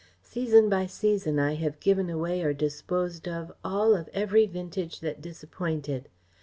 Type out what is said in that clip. Season by season I have given away or disposed of all of every vintage that disappointed.